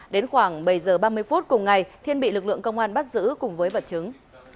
đến khoảng bảy h ba mươi phút cùng ngày thiên bị lực lượng công an bắt giữ cùng với vật chứng